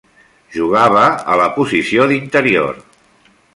Jugava a la posició d'interior.